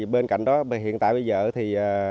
bên cạnh đó hiện tại bây giờ thì